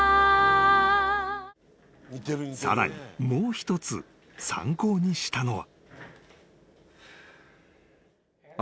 ［さらにもう一つ参考にしたのは］